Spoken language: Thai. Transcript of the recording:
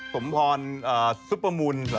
สมธรณ์เอ่อซุปเปอร์มูล